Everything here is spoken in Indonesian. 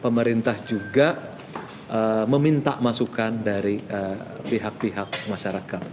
pemerintah juga meminta masukan dari pihak pihak masyarakat